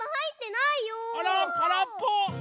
あらからっぽ！